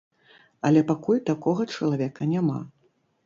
Але пакуль такога чалавека няма.